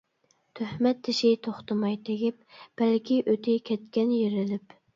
تۆھمەت تېشى توختىماي تېگىپ، بەلكى ئۆتى كەتكەن يېرىلىپ.